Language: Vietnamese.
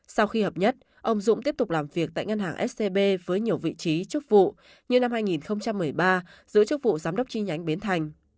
sau khi hợp nhất ông dũng tiếp tục làm việc tại ngân hàng scb với nhiều vị trí chức vụ như năm hai nghìn một mươi ba giữ chức vụ giám đốc chi nhánh bến thành